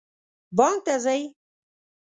بانک ته ځئ؟